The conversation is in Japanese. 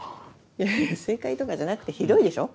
いやいや「正解」とかじゃなくてひどいでしょ？